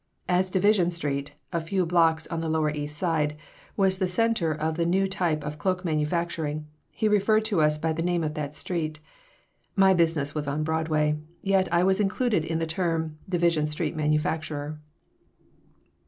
As Division Street a few blocks on the lower East Side was the center of the new type of cloak manufacturing, he referred to us by the name of that street. My business was on Broadway, yet I was included in the term, "Division Street manufacturer."